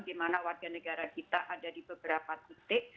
karena warga negara kita ada di beberapa titik